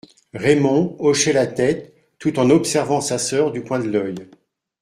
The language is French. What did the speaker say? Raymond hochait la tête, tout en observant sa sœur du coin de l'œil.